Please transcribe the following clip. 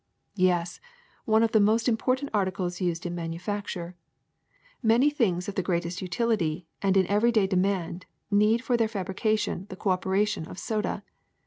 '^Yes, one of the most important articles used in manufacture. Many things of the greatest utility and in everyday demand need for their fabrication the cooperation of soda.